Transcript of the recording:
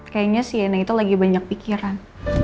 kayanya sienna itu lagi banyak pikiran